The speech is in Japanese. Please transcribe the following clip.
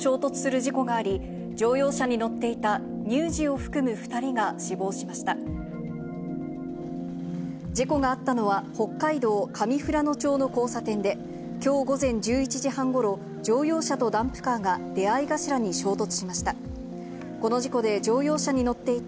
事故があったのは、北海道上富良野町の交差点で、きょう午前１１時半ごろ、乗用車とダンプカーが出合い頭に衝突しました。